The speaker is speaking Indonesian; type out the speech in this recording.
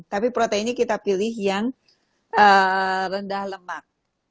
tapi proteinnya kita pilih yang rendah lemak